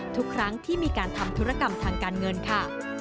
ทุกครั้งที่มีการทำธุรกรรมทางการเงินค่ะ